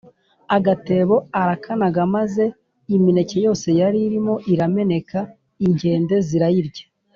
Agatebo arakanaga, maze imineke yose yaririmo irameneka inkende zirayirya